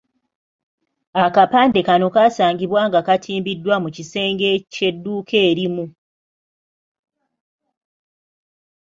Akapande kano kaasangibwa nga katimbiddwa mu kisenge ky'edduuka erimu.